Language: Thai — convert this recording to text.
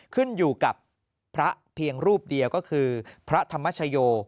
ขึ้นอยู่กับพระเพียงรูปเดียวก็คือพระธรรมชโย